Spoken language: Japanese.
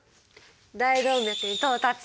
「大動脈」に到達。